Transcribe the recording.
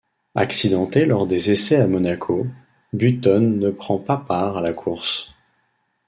Accidenté lors des essais à Monaco, Button ne prend pas part à la course.